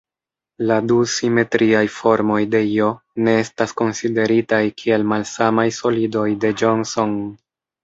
La du simetriaj formoj de "J" ne estas konsideritaj kiel malsamaj solidoj de Johnson.